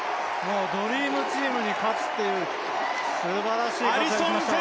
ドリームチームに勝つっていうすばらしい活躍です。